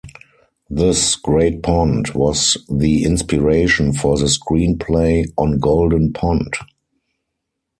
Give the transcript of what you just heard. Thus Great Pond was the inspiration for the screen play "On Golden Pond".